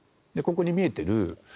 ここに見えてる